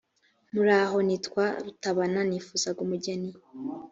muraho nitwa rutabana nifuzaga umugeni